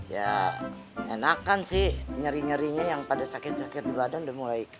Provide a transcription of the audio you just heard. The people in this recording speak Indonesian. ya enakan sih nyeri nyerinya yang pada sakit sakit di badan udah mulai